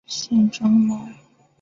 唐龙早年受业于同县章懋。